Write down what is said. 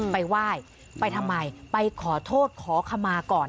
ไปว่ายไปทำไมไปขอโทษขอคำมาก่อน